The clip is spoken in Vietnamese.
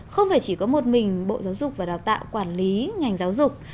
không phải chỉ có một mình bộ giáo dục và đào tạo quản lý ngành giáo dục